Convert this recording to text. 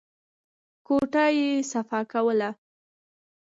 کوټه يې صفا کوله.